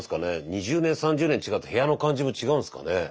２０年３０年違うと部屋の感じも違うんですかね？